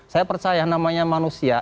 saya percaya namanya manusia